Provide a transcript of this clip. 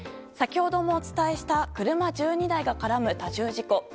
先ほどもお伝えした車１２台が絡む多重事故。